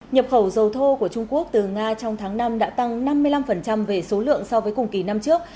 nhập khẩu dầu thô của trung quốc từ nga trong tháng năm đã tăng năm mươi năm về số lượng so với cùng kỳ năm trước